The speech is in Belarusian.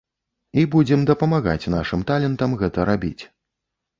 І будзем дапамагаць нашым талентам гэта рабіць.